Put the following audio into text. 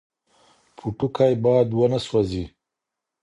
پوټکی باید ونه سوځي.